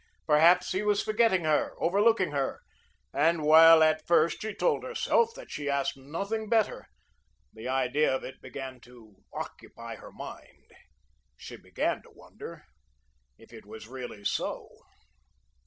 Perhaps he was forgetting her, overlooking her; and while, at first, she told herself that she asked nothing better, the idea of it began to occupy her mind. She began to wonder if it was really so.